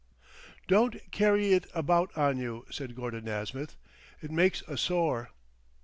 "Don't carry it about on you," said Gordon Nasmyth. "It makes a sore."